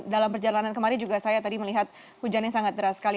dalam perjalanan kemarin juga saya tadi melihat hujannya sangat deras sekali